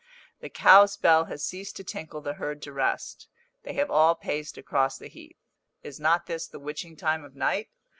The cow's bell has ceased to tinkle the herd to rest; they have all paced across the heath. Is not this the witching time of night?